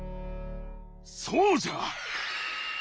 そうじゃ！